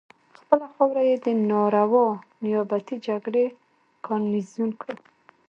خپله خاوره یې د ناروا نیابتي جګړې ګارنیزیون کړه.